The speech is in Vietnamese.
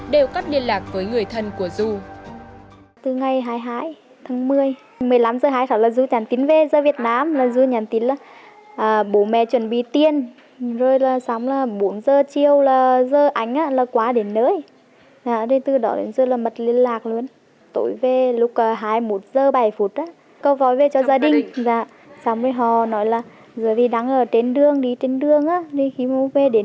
đều cắt liên lạc với người thân của du